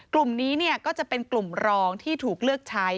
กลุ่มนี้ก็จะเป็นกลุ่มรองที่ถูกเลือกใช้